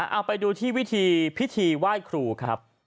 เอาไปดูที่พิธีว่ายครูครับ